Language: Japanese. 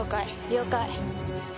了解。